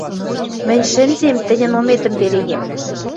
— Мӹнь шӹнзем, тӹньӹн ометӹм перегем.